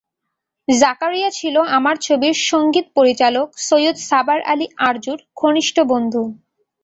জাকারিয়া ছিল আমার ছবির সংগীত পরিচালক সৈয়দ সাবাব আলী আরজুর ঘনিষ্ঠ বন্ধু।